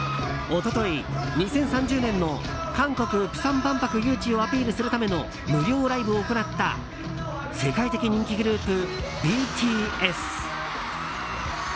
一昨日、２０３０年の韓国・釜山万博誘致をアピールするための無料ライブを行った世界的人気グループ、ＢＴＳ。